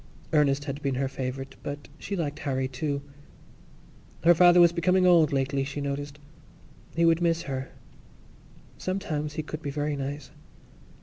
Ernest had been her favourite but she liked Harry too. Her father was becoming old lately, she noticed; he would miss her. Sometimes he could be very nice.